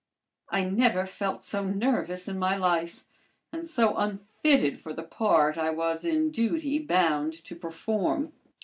I never felt so nervous in my life, and so unfitted for the part I was in duty bound to perform.